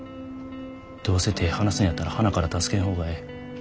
どうせ手ぇ離すんやったらはなから助けん方がええ。